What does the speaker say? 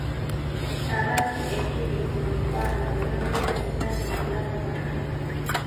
Kyama ki ekiri mu mikwano ekyongera essanyu mu bulamu bwaffe?